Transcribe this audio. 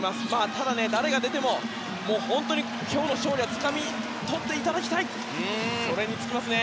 ただ、誰が出ても本当に今日の勝利はつかみ取っていただきたいそれに尽きますね。